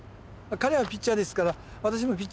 彼はピッチャーですから私もピッチャーですから。